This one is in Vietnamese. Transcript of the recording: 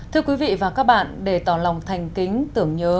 thưa quý vị và các bạn để tỏ lòng thành kính tưởng nhớ